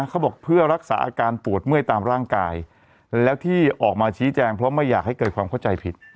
เขาบอกเพื่อรักษาอาการปวดเมื่อยตามร่างกายแล้วที่ออกมาชี้แจงเพราะไม่อยากให้เกิดความเข้าใจผิด